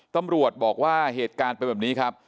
ตำรวจบอกว่าเหตุการณ์เป็นแบบนี้ครับ